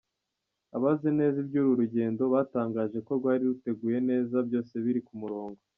Abazi neza iby’uru rugendo batangaje ko rwari ruteguye neza byose biri ku murongo.